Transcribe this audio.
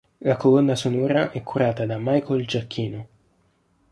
La colonna sonora è curata da Michael Giacchino.